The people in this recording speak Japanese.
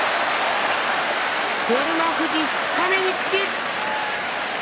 照ノ富士、二日目に土。